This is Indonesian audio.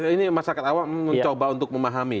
ini masyarakat awam mencoba untuk memahami